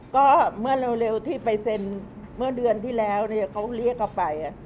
ก็เมื่อเร็วที่ไปเซ็นเมื่อเดือนที่แล้วเขาเรียกเขาไป